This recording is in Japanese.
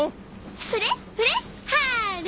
フレッフレッハル！